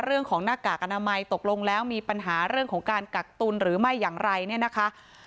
หน้ากากอนามัยตกลงแล้วมีปัญหาเรื่องของการกักตุลหรือไม่อย่างไรเนี่ยนะคะ